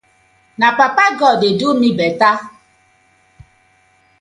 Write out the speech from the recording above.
Na papa god dey do mi better.